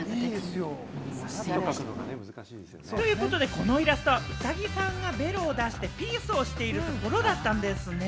このイラストは、ウサギさんがベロを出してピースをしているところだったんですね。